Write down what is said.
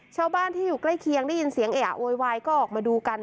ชาวบ้านที่อยู่ใกล้เคียงได้ยินเสียงเออะโวยวายก็ออกมาดูกัน